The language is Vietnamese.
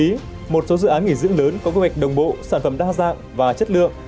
vì một số dự án nghỉ dưỡng lớn có kế hoạch đồng bộ sản phẩm đa dạng và chất lượng